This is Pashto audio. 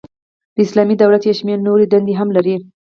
د اسلامی دولت یو شمیر نوري دندي هم لري.